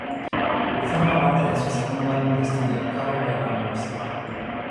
Forma parte de su segundo álbum de estudio "Colour by Numbers".